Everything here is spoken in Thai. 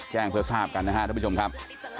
แจ้งเพื่อทราบกันนะครับท่านผู้ชมครับ